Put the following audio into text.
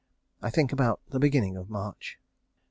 I think about the beginning of March.